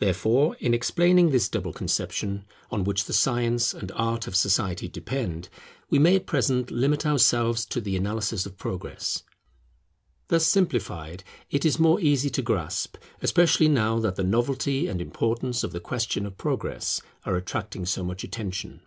Therefore, in explaining this double conception on which the Science and Art of society depend, we may at present limit ourselves to the analysis of Progress. Thus simplified it is more easy to grasp, especially now that the novelty and importance of the question of Progress are attracting so much attention.